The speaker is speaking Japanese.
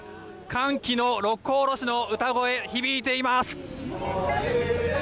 歓喜の「六甲おろし」の歌声が響いています。